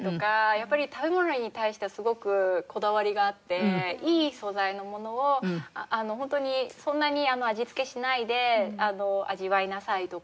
やっぱり食べ物に対してはすごくこだわりがあっていい素材のものをホントにそんなに味付けしないで味わいなさいとか。